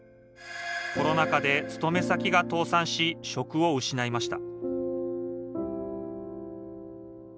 コロナ禍で勤め先が倒産し職を失いました